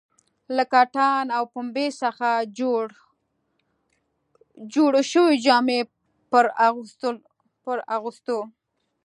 له کتان او پنبې څخه جوړو شویو جامو پر اغوستو.